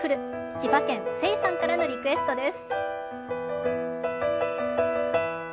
千葉県、Ｓｅｉさんからのリクエストです。